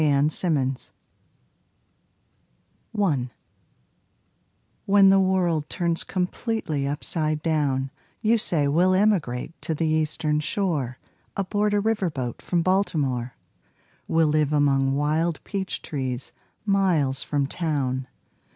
WILD PEACHES 1 When the world turns completely upside down You say we'll emigrate to the Eastern Shore Aboard a river boat from Baltimore; We'll live among wild peach trees, miles from town.